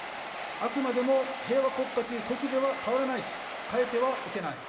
あくまでも平和国家という国是は変わらないし、変えてはいけない。